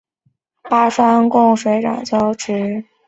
齿叶白鹃梅为蔷薇科白鹃梅属下的一个种。